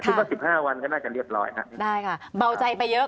ว่าสิบห้าวันก็น่าจะเรียบร้อยฮะได้ค่ะเบาใจไปเยอะ